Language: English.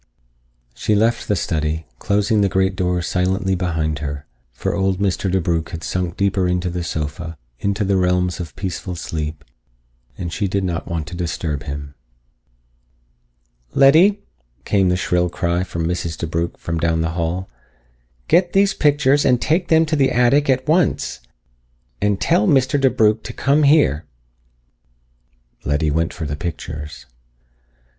She left the study, closing the great door silently behind her, for old Mr. DeBrugh had sunk deeper into the sofa, into the realms of peaceful sleep, and she did not wish to disturb him. "Letty!" came the shrill cry of Mrs. DeBrugh from down the hall. "Get these pictures and take them to the attic at once. And tell Mr. DeBrugh to come here." Letty went for the pictures.